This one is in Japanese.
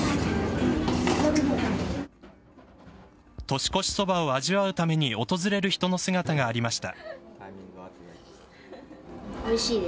年越しそばを味わうために訪れる人の姿がありました。